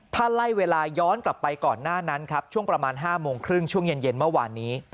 ถ้าไล่เวลาย้อนกลับไปก่อนหน้านั้นครับช่วงประมาณ๕โมงครึ่งช่วงเย็นเมื่อวานนี้